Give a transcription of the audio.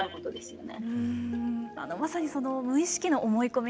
まさにその無意識の思い込み